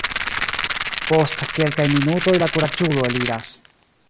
Post kelkaj minutoj la kuraĝulo eliras.